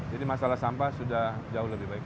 jadi masalah sampah sudah jauh lebih baik